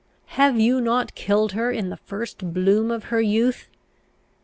Have you not killed her in the first bloom of her youth?